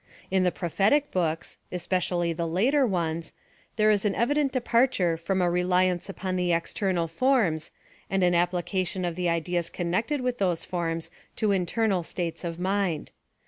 In the prophetic books, especially the later ones, there is an evident departure from a reliance upon the external forms, and an application of the ideas connected with those forms to internal states of mind.